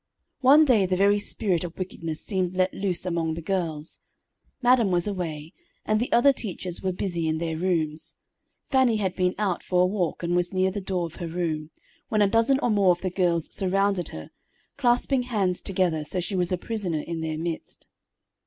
One day the very spirit of wickedness seemed let loose among the girls. Madam was away, and the other teachers were busy in their rooms. Fannie had been out for a walk and was near the door of her room, when a dozen or more of the girls surrounded her, clasping hands together so she was a prisoner in their midst.